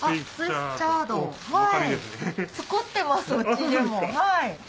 作ってますうちでも。